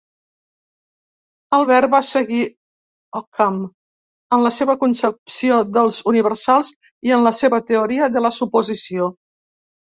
Albert va seguir Ockham en la seva concepció dels universals i en la seva teoria de la suposició.